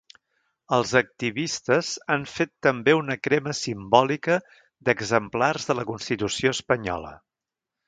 Els activistes han fet també una crema simbòlica d’exemplars de la constitució espanyola.